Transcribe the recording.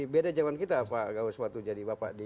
beda zaman kita pak gaweswatu jadi bapak